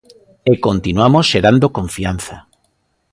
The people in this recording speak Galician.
E continuamos xerando confianza.